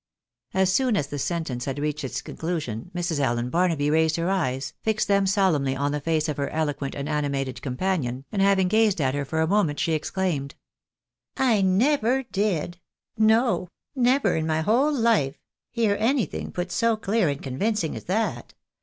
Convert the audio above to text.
As soon as the sentence had reached its conclusion, Mrs. Allen Barnaby raised her eyes, fixed them solemnly on the face of her eloquent and animated companion, and having gazed at her for a moment, exclaimed —" I never did ; no, never in my whole life, hear anything put so clear and convincing as that.